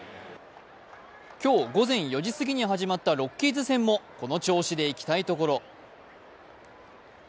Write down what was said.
今日午前４時すぎに始まったロッキーズ戦もこの調子でいきたいところ。